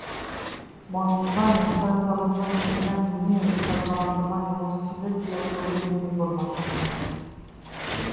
Moim zdaniem celem zarządzania mediami nie jest zagwarantowanie właściwych i odpowiednich informacji